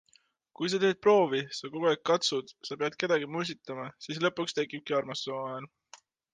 Kui sa teed proovi, sa kogu aeg katsud, sa pead kedagi musitama - siis lõpuks tekibki armastus omavahel.